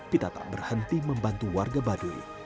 pita tak berhenti membantu warga baduy